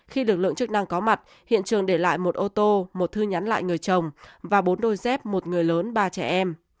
khi lực lượng chức năng có mặt hiện trường để lại một ô tô một thư nhắn lại người chồng và bốn đôi dép một người lớn ba trẻ em